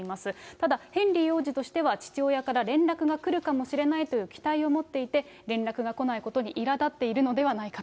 ただ、ヘンリー王子としては、父親から連絡が来るかもしれないという期待を持っていて、連絡が来ないことにいらだっているのではないかと。